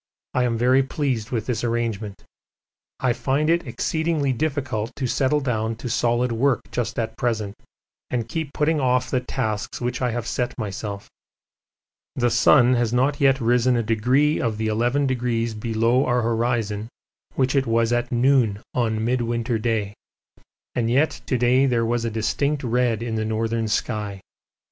I am very pleased with this arrangement. I find it exceedingly difficult to settle down to solid work just at present and keep putting off the tasks which I have set myself. The sun has not yet risen a degree of the eleven degrees below our horizon which it was at noon on Midwinter Day, and yet to day there was a distinct red in the northern sky.